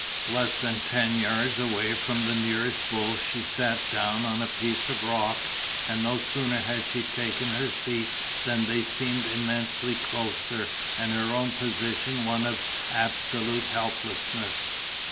Less than ten yards away from the nearest bull she sat down on a piece of rock, and no sooner had she taken her seat than they seemed immensely closer and her own position one of absolute helplessness.